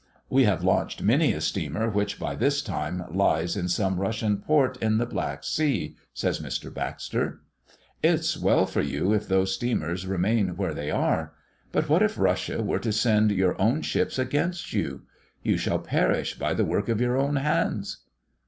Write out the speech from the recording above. "We have launched many a steamer, which by this time lies in some Russian port in the Black Sea," says Mr. Baxter. "It's well for you if those steamers remain where they are. But what if Russia were to send your own ships against you? You shall perish by the work of your own hands!"